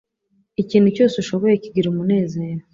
Ikintu cyose ushoboye kigira umunezero.